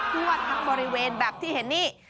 ทั่วทั้งบริเวณแบบที่เห็นนี่